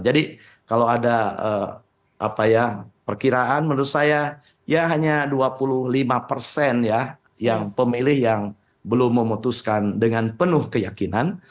jadi kalau ada perkiraan menurut saya ya hanya dua puluh lima pemilih yang belum memutuskan dengan penuh keyakinan